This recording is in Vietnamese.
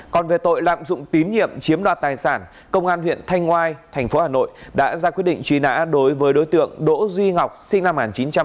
còn về tội lạm dụng tín nhiệm chiếm đoạt tài sản công an huyện thanh ngoai tp hà nội đã ra quyết định truy nã đối với đối tượng đỗ duy ngọc sinh năm một nghìn chín trăm tám mươi